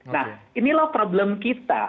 nah inilah problem kita